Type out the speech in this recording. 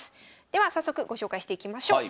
では早速ご紹介していきましょう。